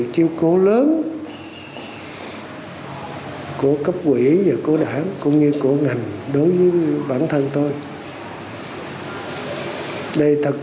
cảm ơn các bạn đã theo dõi và hẹn gặp lại